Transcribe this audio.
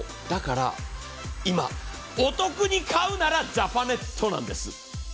だから今、お得に買うならジャパネットなんです。